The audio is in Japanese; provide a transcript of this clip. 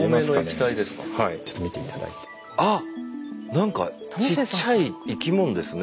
なんかちっちゃい生き物ですね。